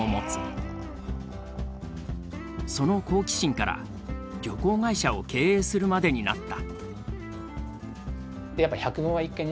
その好奇心から旅行会社を経営するまでになった。